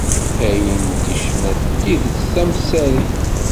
Ayen i d-tenna d tidet tamsarit.